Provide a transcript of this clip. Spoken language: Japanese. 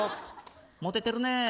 モテてるね。